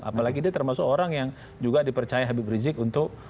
apalagi dia termasuk orang yang juga dipercaya habib rizik untuk